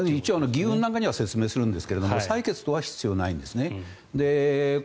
議運の中では説明するんですが採決などは必要ないんですね。